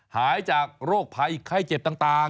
หายจากโรคภัยไข้เจ็บต่าง